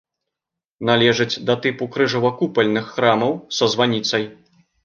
Належыць да тыпу крыжова-купальных храмаў са званіцай.